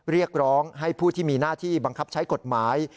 เรียกร้องให้ผู้ที่มีหน้าที่บังคับใช้กฎหมาย